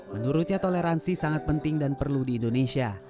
menurutnya toleransi sangat penting dan perlu di indonesia